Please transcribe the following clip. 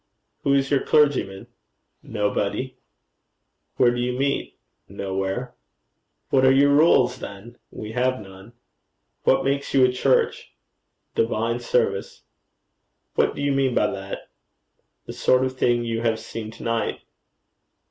'Who is your clergyman?' 'Nobody.' 'Where do you meet?' 'Nowhere.' 'What are your rules, then?' 'We have none.' 'What makes you a church?' 'Divine Service.' 'What do you mean by that?' 'The sort of thing you have seen to night.'